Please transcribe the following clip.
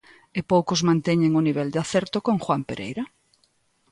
E poucos manteñen o nivel de acerto con Juan Pereira.